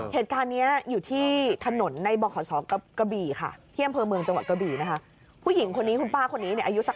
ป้าบอกแบบนี้ค่ะ